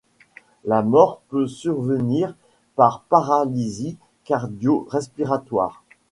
La mort peut survenir par paralysie cardio-respiratoire.